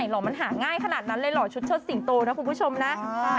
หรอมันหาง่ายขนาดนั้นเลยเหรอชุดเชิดสิงโตนะคุณผู้ชมนะ